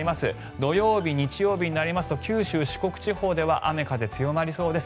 土曜日、日曜日になりますと九州、四国地方では雨、風強まりそうです。